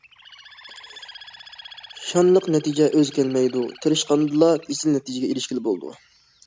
« شانلىق نەتىجە ئۆزى كەلمەيدۇ، تىرىشقاندىلا ئېسىل نەتىجىگە ئېرىشكىلى بولىدۇ».